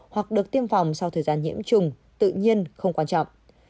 hoặc được tiêm phòng sau thời gian nhiễm trùng tự nhiên không quan trọng